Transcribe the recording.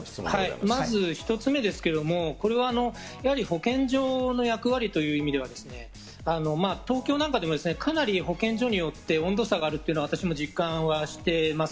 まず１つ目ですけれども、これは、やはり保健所の役割という意味では、東京なんかでは、かなり保健所によって、温度差があるというのは、私も実感はしてます。